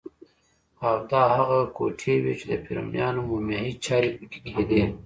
او دا هغه کوټې وې چې د فرعونیانو مومیایي چارې پکې کېدې.